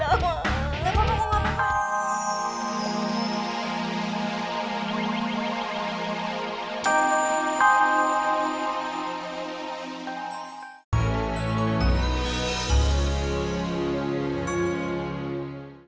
enggak enggak enggak enggak